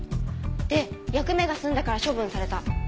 で役目が済んだから処分された。